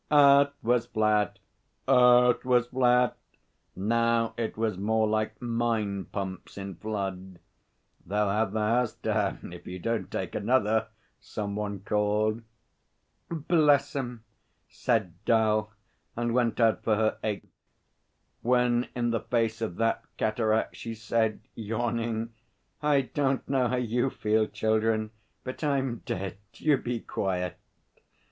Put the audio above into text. '"Earth was flat Earth was flat!"' Now it was more like mine pumps in flood. 'They'll have the house down if you don't take another,' some one called. 'Bless 'em!' said 'Dal, and went out for her eighth, when in the face of that cataract she said yawning, 'I don't know how you feel, children, but I'm dead. You be quiet.'